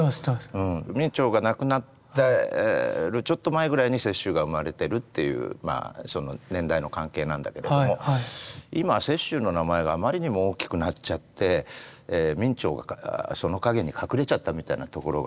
明兆が亡くなってるちょっと前ぐらいに雪舟が生まれてるっていう年代の関係なんだけれども今雪舟の名前があまりにも大きくなっちゃって明兆がその影に隠れちゃったみたいなところがあるけれどもね。